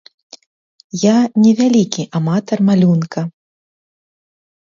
Я не вялікі аматар малюнка.